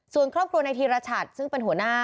ส่วนครอบครัวในธีรชัดซึ่งเป็นหัวหน้า